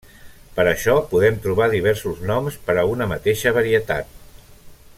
Per això podem trobar diversos noms per a una mateixa varietat.